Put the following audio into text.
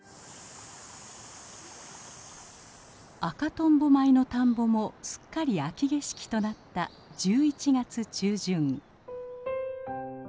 「赤とんぼ米」の田んぼもすっかり秋景色となった１１月中旬。